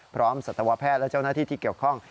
สัตวแพทย์และเจ้าหน้าที่ที่เกี่ยวข้อง